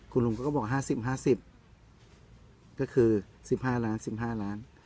คุณลุงก็บอกห้าสิบห้าสิบก็คือสิบห้าล้านสิบห้าล้าน